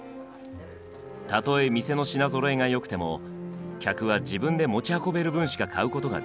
たとえ店の品ぞろえがよくても客は自分で持ち運べる分しか買うことができません。